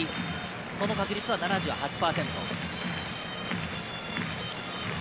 その確率は７８％。